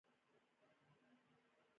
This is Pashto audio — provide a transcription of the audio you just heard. تودوخه د افغانستان د ملي هویت نښه ده.